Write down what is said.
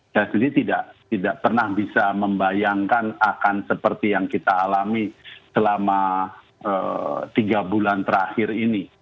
saya sendiri tidak pernah bisa membayangkan akan seperti yang kita alami selama tiga bulan terakhir ini